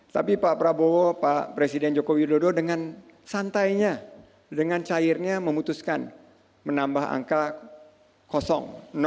tapi pak prabowo pak presiden joko widodo dengan santainya dengan cairnya memutuskan menambah angka kosong